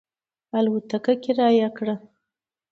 الوتکه کرایه کړه.